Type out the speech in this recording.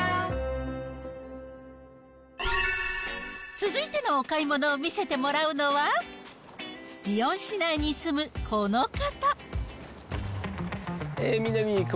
続いてのお買い物を見せてもらうのは、リヨン市内に住むこの方。